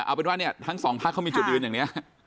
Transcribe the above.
เอ่อเอาเป็นว่าเนี้ยทั้งสองพักเขามีจุดอื่นอย่างเนี้ยค่ะ